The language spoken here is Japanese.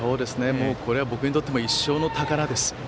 僕にとっても一生の宝です。